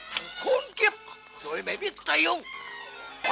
thằng khốn kiếp rồi mày biết say không